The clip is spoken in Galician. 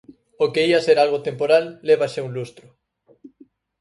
O que ía ser algo temporal leva xa un lustro.